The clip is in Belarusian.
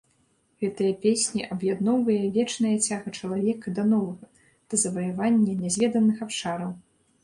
Гэтыя песні аб'ядноўвае вечная цяга чалавека да новага, да заваявання нязведаных абшараў.